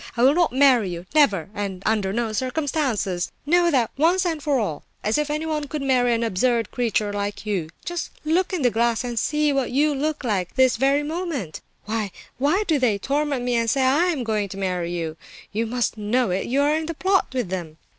I will not marry you—never, and under no circumstances! Know that once and for all; as if anyone could marry an absurd creature like you! Just look in the glass and see what you look like, this very moment! Why, why do they torment me and say I am going to marry you? You must know it; you are in the plot with them!"